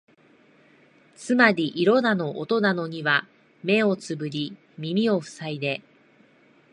つまり色だの音だのには目をつぶり耳をふさいで、